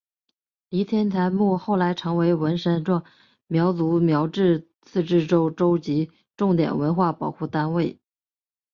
黎天才墓后来成为文山壮族苗族自治州州级重点文物保护单位。